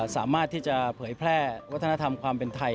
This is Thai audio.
สามารถที่จะเผยแพร่วัฒนธรรมความเป็นไทย